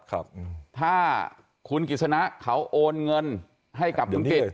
ครับถ้าคุณกิจสนะเขาโอนเงินให้กับคุณกิจ